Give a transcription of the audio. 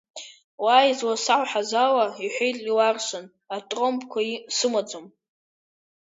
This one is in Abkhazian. Уа изласалҳәаз ала, – иҳәеит Леуарсан, атромбқәа сымаӡам.